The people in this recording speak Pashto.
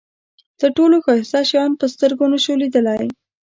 تر ټولو ښایسته شیان په سترګو نشو لیدلای.